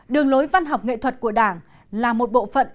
đường lối văn học nghệ thuật của đảng là một bộ phận